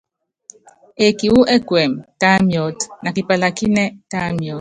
Eeki wu ɛkuɛmɛ, tá miɔ́t, na kipalakínɛ́, tá miɔ́t.